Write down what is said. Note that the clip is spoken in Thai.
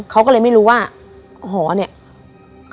เขาก็เลยไม่รู้ว่าหอเนี่ย